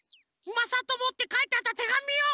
まさとも」ってかいてあったてがみを！